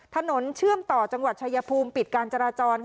ถนนเชื่อมต่อจังหวัดชายภูมิปิดการจราจร